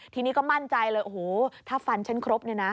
ทีนี้ก็มั่นใจเลยโอ้โหถ้าฟันฉันครบเนี่ยนะ